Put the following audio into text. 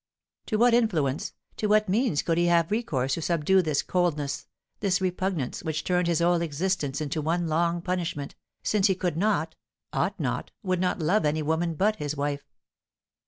To what influence, to what means could he have recourse to subdue this coldness, this repugnance, which turned his whole existence into one long punishment, since he could not ought not would not love any woman but his wife?